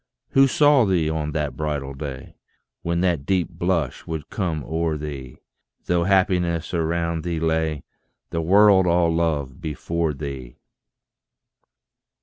Who saw thee on that bridal day, When that deep blush would come o'er thee, Though happiness around thee lay, The world all love before thee.